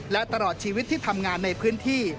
และตลอดชีวิตที่ทำงานในพื้นที่